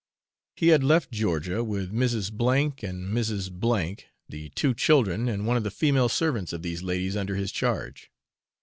He had left Georgia with Mrs. F and Mrs. N , the two children, and one of the female servants of these ladies under his charge.